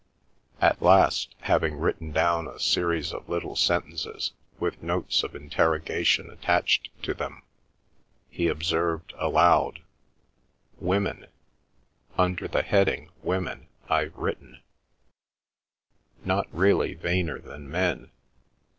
At last, having written down a series of little sentences, with notes of interrogation attached to them, he observed aloud, "'Women—under the heading Women I've written: "'Not really vainer than men.